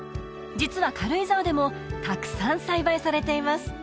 実は軽井沢でもたくさん栽培されています